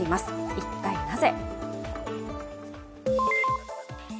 一体、なぜ？